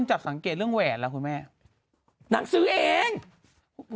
นี่นี่นี่นี่นี่นี่